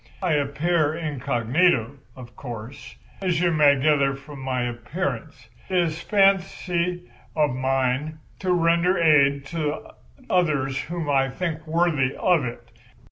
I appear incognito, of course, as you may gather from my appearance. It is a fancy of mine to render aid to others whom I think worthy of it.